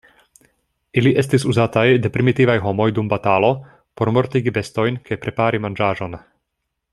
Ili estis uzataj de primitivaj homoj dum batalo, por mortigi bestojn, kaj prepari manĝaĵon.